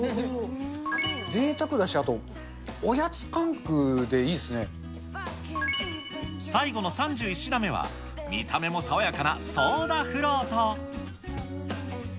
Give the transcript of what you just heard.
ぜいたくだし、あとおやつ感覚で最後の３１品目は、見た目も爽やかなソーダフロート。